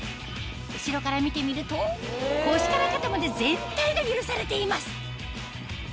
後ろから見てみると腰から肩まで全体が揺らされています